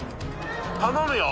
頼むよ。